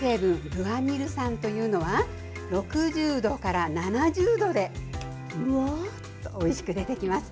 グアニル酸というのは６０度から７０度でうわーっとおいしく出てきます。